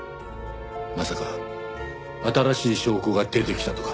まさか新しい証拠が出てきたとか？